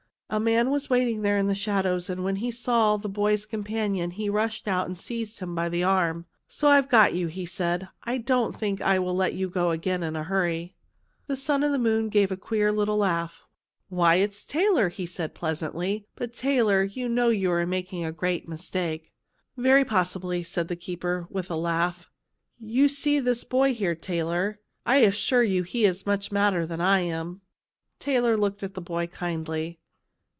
A man was waiting there in the shadows, and when he saw the boy's com panion he rushed out and seized him by the arm. " So I've got you," he said ;" I don't think I'll let you go again in a hurry." The son of the moon gave a queer little laugh. "Why, it's Taylor!" he said pleasantly; " but, Taylor, you know you're making a great mistake." "Very possibly," said the keeper, with a laugh. "You see this boy here, Taylor; I assure you he is much madder than I am." Taylor looked at the boy kindly.